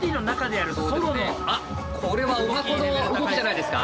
あっこれはおはこの動きじゃないですか。